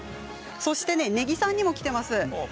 そして、根木さんにもきています。